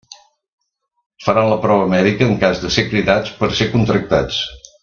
Faran la prova mèdica en cas de ser cridats per ser contractats.